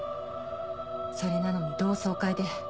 それなのに同窓会で。